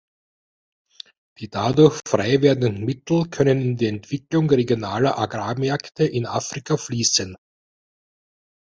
Die dadurch frei werdenden Mittel können in die Entwicklung regionaler Agrarmärkte in Afrika fließen.